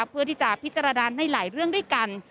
เพื่อที่จะพิจารณาในหลายเรื่องด้วยกัน